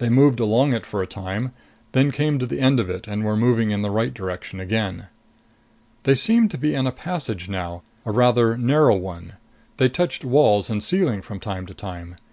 They moved along it for a time, then came to the end of it and were moving in the right direction again. They seemed to be in a passage now, a rather narrow one. They touched walls and ceiling from time to time.